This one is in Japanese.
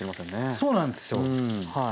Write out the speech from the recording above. そうなんですよはい。